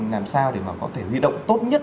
làm sao để mà có thể huy động tốt nhất